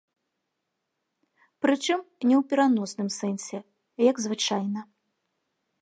Прычым, не у пераносным сэнсе, як звычайна.